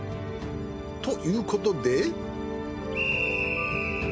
ということで。